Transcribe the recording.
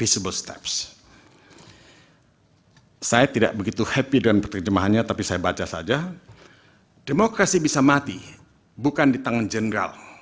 saya tidak begitu happy dengan penerjemahannya tapi saya baca saja demokrasi bisa mati bukan di tangan jenderal